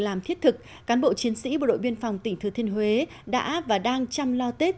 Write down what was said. làm thiết thực cán bộ chiến sĩ bộ đội biên phòng tỉnh thừa thiên huế đã và đang chăm lo tết